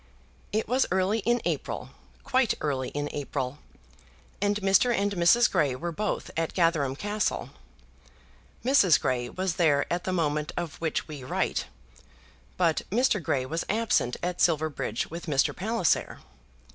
It was early in April, quite early in April, and Mr. and Mrs. Grey were both at Gatherum Castle. Mrs. Grey was there at the moment of which we write, but Mr. Grey was absent at Silverbridge with Mr. Palliser.